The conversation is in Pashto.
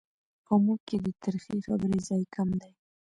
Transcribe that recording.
په موږ کې د ترخې خبرې ځای کم دی.